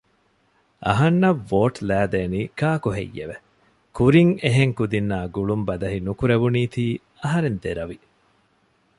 އަހަންނަށް ވޯޓް ލައިދޭނީ ކާކުހެއްޔެވެ؟ ކުރިން އެހެން ކުދިންނާ ގުޅުން ބަދަހި ނުކުރެވުނީތީ އަހަރެން ދެރަވި